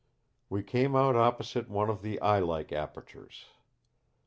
We came out opposite one of the eye like apertures.